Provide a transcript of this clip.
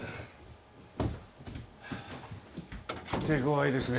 手ごわいですね。